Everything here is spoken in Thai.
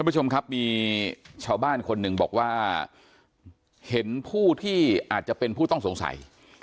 ผู้ชมครับมีชาวบ้านคนหนึ่งบอกว่าเห็นผู้ที่อาจจะเป็นผู้ต้องสงสัย